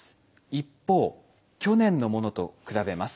一方去年のものと比べます。